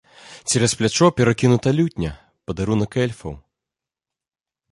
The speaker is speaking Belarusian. Цераз плячо перакінута лютня, падарунак эльфаў.